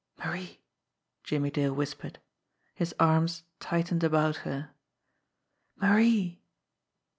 "Marie!" Jimmie Dale whispered. His arms tightened about her. "Marie!"